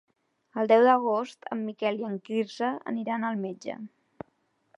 El deu d'agost en Miquel i en Quirze aniran al metge.